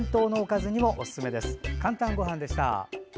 「かんたんごはん」でした。